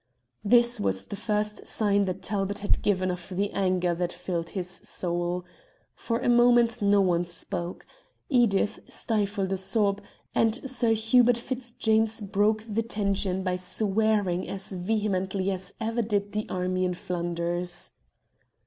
This was the first sign that Talbot had given of the anger that filled his soul. For a moment no one spoke. Edith stifled a sob, and Sir Hubert Fitzjames broke the tension by swearing as vehemently as ever did the army in Flanders.